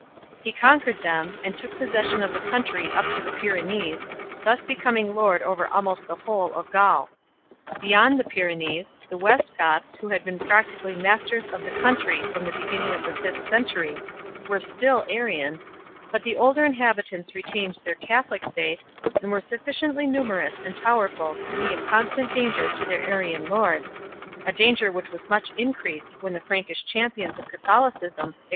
He conquered them, and took possession of the country up to the Pyrenees, thus be coming lord over almost the whole of Gaul. Beyond the Pyrenees the West Goths, who had been practically masters of the country from the beginning of the fifth century, were still Arian, but the older inhabitants re tained their Catholic faith, and were sufficiently numerous and powerful to be a constant danger to their Arian lords a danger which was much increased when the Frankish champions of Catholicism extended their do 1 Acta SS.